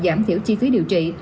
giảm thiểu chi phí điều trị